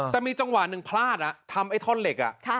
แต่มีจังหวะหนึ่งพลาดทำไอ้ท่อนเหล็ก